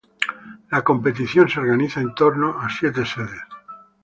La competición se organiza en torno a siete sedes.